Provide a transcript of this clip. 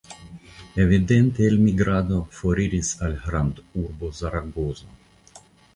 Evidente elmigrado foriris al grandurbo Zaragozo.